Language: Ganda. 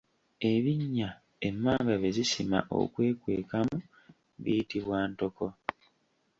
Ebinnya emmamba bye zisima okwekwekamu biyitibwa ntoko.